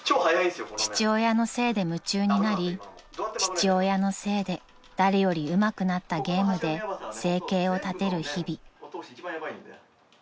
［父親のせいで夢中になり父親のせいで誰よりうまくなったゲームで生計を立てる日々］